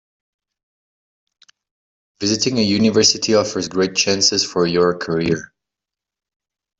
Visiting a university offers great chances for your career.